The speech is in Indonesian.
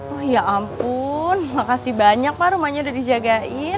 oh ya ampun makasih banyak pak rumahnya udah dijagain